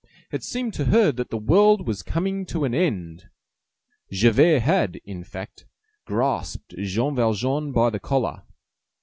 It seemed to her that the world was coming to an end. Javert had, in fact, grasped Jean Valjean by the collar.